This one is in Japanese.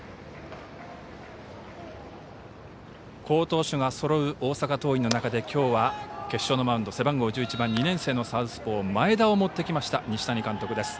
好投手がそろう大阪桐蔭の中できょうは決勝のマウンド背番号１１番２年生のサウスポー前田を持ってきました西谷監督。